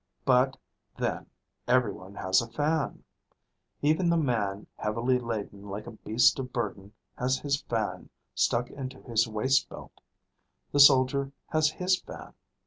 But, then, every one has a fan. Even the man heavily laden like a beast of burden has his fan stuck into his waist belt; the soldier has his fan.